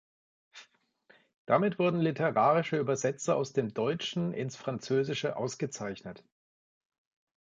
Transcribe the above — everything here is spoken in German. Damit wurden literarische Übersetzer aus dem Deutschen ins Französische ausgezeichnet.